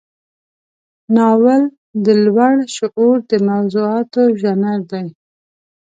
ناول د لوړ شعور د موضوعاتو ژانر دی.